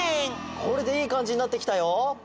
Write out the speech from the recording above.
これでいいかんじになってきたよ。